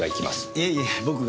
いえいえ僕が。